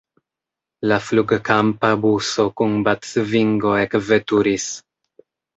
La flugkampa buso kun batsvingo ekveturis.